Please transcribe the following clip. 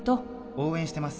「応援してます